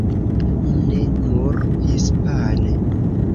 Nu ne nur hispane.